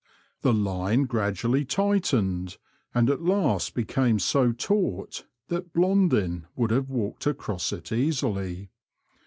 The line gradually tightened, and at last became so taut that Blondin would have walked across it easily.